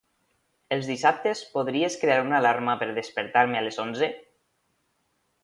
Els dissabtes podries crear una alarma per despertar-me a les onze?